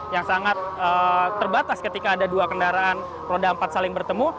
yang sangat terbatas ketika ada dua kendaraan roda empat saling bertemu